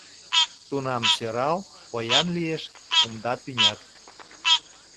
Тунам сӧрал, поян лиеш кумда тӱнят.